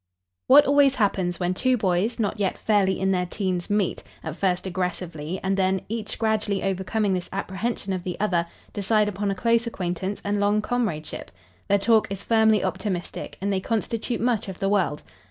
What always happens when two boys not yet fairly in their 'teens meet, at first aggressively, and then, each gradually overcoming this apprehension of the other, decide upon a close acquaintance and long comradeship? Their talk is firmly optimistic and they constitute much of the world.